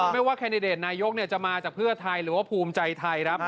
ไม่ว่าแคนดิเดตนายกจะมาจากเพื่อไทยหรือว่าภูมิใจไทยครับ